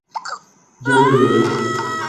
yo bebería